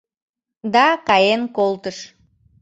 Да каен колтыш.